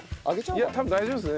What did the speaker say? いや多分大丈夫ですね。